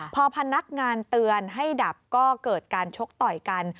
พอพนักงานเตือนให้ดับก็เกิดการชกต่อยกัน